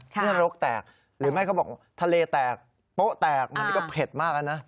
นี่นรกแตกหรือไม่เขาบอกทะเลแตกโป๊ะแตกมันก็เผ็ดมากแล้วนะ